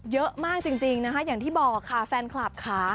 เยอะมากจริงนะคะอย่างที่บอกค่ะแฟนคลับค่ะ